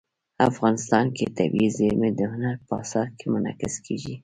افغانستان کې طبیعي زیرمې د هنر په اثار کې منعکس کېږي.